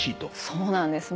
そうなんです。